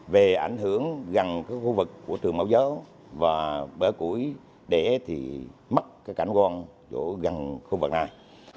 về ảnh hưởng gần khu vực của trường mậu dấu và bởi củi để mất cảnh quan gần khu vực này